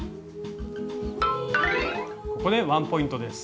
ここでワンポイントです。